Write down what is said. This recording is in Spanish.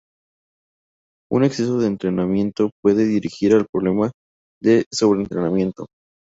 Un exceso de entrenamiento puede dirigir al problema de sobre entrenamiento.